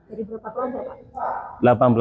dari berapa keluarga pak